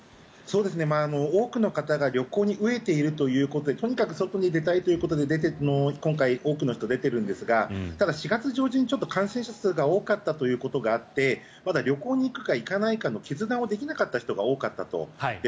多くの方が旅行に飢えているということでとにかく外に出たいということで今回多くの人が出ているんですがただ、４月上旬に感染者数が多かったということがあってまだ旅行に行くか行かないかの決断をできなかった人が多かったと。